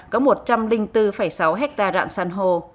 có một trăm linh bốn sáu hectare rạng sàn hồ